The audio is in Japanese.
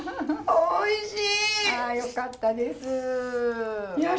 おいしい。